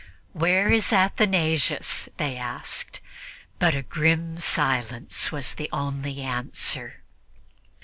"Where is Athanasius?" they asked; but a grim silence was the only answer.